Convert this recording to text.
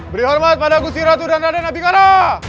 beri hormat padaku si ratu dan raden nabi qala